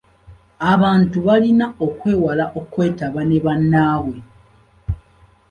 Abantu balina okwewala okwetaba ne bannaabwe.